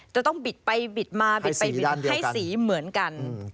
จะต้องบิดไปบิดมาให้สีเหมือนกัน